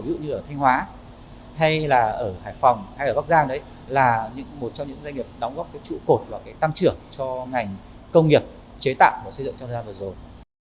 ví dụ như ở thanh hóa hay là ở hải phòng hay ở bắc giang đấy là một trong những doanh nghiệp đóng góp cái trụ cột và cái tăng trưởng cho ngành công nghiệp chế tạo và xây dựng trong thời gian vừa rồi